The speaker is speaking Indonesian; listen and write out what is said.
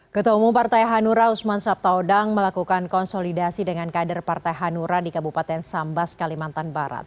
ketua umum partai hanura usman sabtaudang melakukan konsolidasi dengan kader partai hanura di kabupaten sambas kalimantan barat